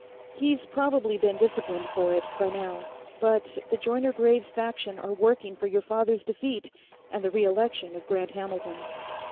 He's probably been disciplined for it, by now. But the Joyner Graves faction are working for your father's defeat and the re election of Grant Hamilton.